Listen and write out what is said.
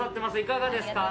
いかがですか？